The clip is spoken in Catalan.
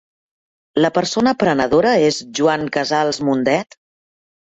La persona prenedora és Joan Casals Mundet?